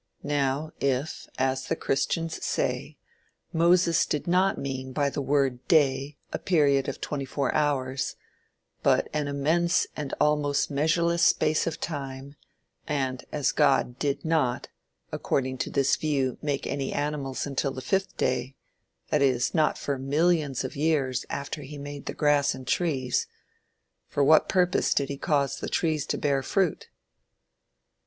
Now, if, as the christians say, Moses did not mean by the word day a period of twenty four hours, but an immense and almost measureless space of time, and as God did not, according to this view make any animals until the fifth day, that is, not for millions of years after he made the grass and trees, for what purpose did he cause the trees to bear fruit?